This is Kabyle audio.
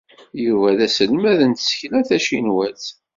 Yuba d aselmad n tsekla tacinwat.